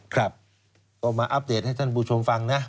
ครับก็มาอัปเดตให้ท่านผู้ชมฟังนะ